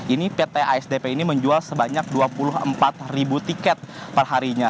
ini pt asdp ini menjual sebanyak dua puluh empat ribu tiket perharinya